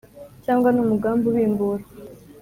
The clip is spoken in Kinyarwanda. cyangwa ni umugambi ubimbura